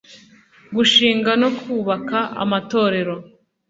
gushinga no kubaka amatorero